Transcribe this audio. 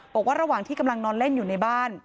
บอกว่าระหว่างที่กำลังนอนเล่นอยู่ในบ้าน